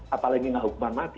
apalagi dengan hukuman mati